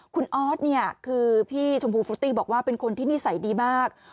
คุณออสเนี่ยคือพี่ชมพูฟุตตี้บอกว่าเป็นคนที่นิสัยดีมาก